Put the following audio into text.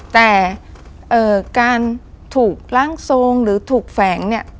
แต่การถูกร่างทรงหรือถูกแฝงเนี่ย